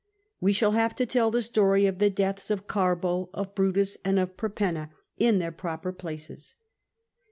We shall have to tell the story of the deaths of Carbo, of Brutus, and of Perpenna in their proper places.